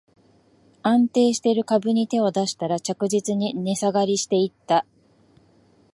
安定してる株に手を出したら、着実に値下がりしていった